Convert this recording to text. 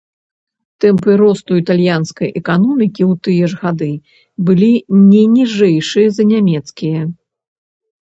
Тэмпы росту італьянскай эканомікі ў тыя ж гады былі не ніжэйшыя за нямецкія.